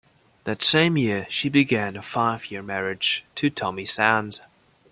That same year she began a five-year marriage to Tommy Sands.